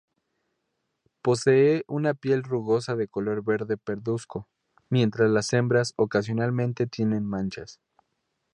Posee una piel rugosa de color verde pardusco, mientras las hembras ocasionalmente tiene manchas.